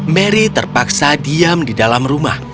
mary terpaksa diam di dalam rumah